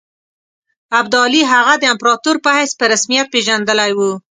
ابدالي هغه د امپراطور په حیث په رسمیت پېژندلی وو.